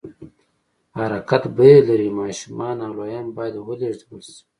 حرکت بیه لري، ماشومان او لویان باید ولېږدول شي.